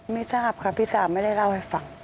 ไม่ทราบค่ะพี่สาวไม่ได้เล่าให้ฟัง